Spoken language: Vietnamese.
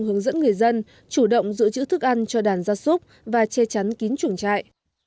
hướng dẫn người dân chủ động giữ chữ thức ăn cho đàn gia súc và che chắn kín chuồng trại